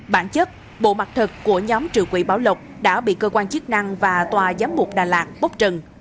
bản chất bộ mặt thật của nhóm trưởng quỹ bảo lộc đã bị cơ quan chức năng và tòa giám mục đà lạt bốc trần